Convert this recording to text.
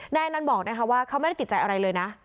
นายอนันต์บอกนะคะว่าเขาไม่ได้ติดใจอะไรเลยนะ